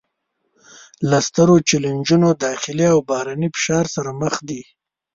له سترو چلینجونو داخلي او بهرني فشار سره مخ دي